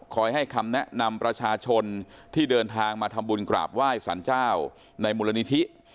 ให้คำแนะนำประชาชนที่เดินทางมาทำบุญกราบไหว้สรรเจ้าในมูลนิธิ